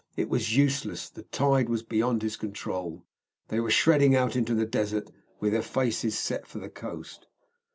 It was useless; the tide was beyond his control. They were shredding out into the desert with their faces set for the coast.